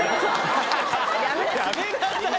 やめなさい。